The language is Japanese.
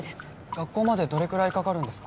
学校までどれくらいかかるんですか？